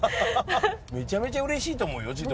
めちゃめちゃうれしいと思うよ。